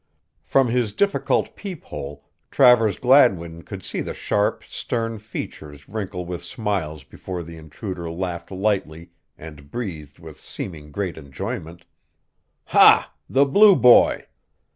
From his difficult peephole Travers Gladwin could see the sharp, stern features wrinkle with smiles before the intruder laughed lightly and breathed with seeming great enjoyment: "Ha! The Blue Boy."